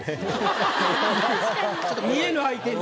「見えぬ相手に」。